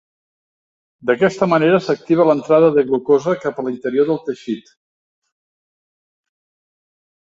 D'aquesta manera s'activa l'entrada de glucosa cap a l'interior del teixit.